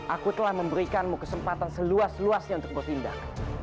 aku telah memberikanmu kesempatan seluas luasnya untuk bertindak